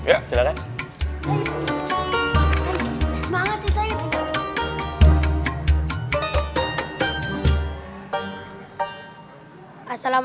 assalamualaikum warahmatullahi wabarakatuh